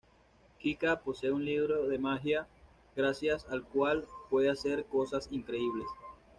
Kika posee un libro de magia gracias al cual puede hacer cosas increíbles.